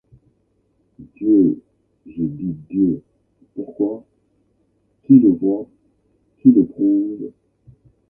Dieu ! J’ai dit Dieu. Pourquoi ? Qui le voit ? Qui le prouve ?